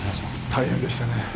大変でしたね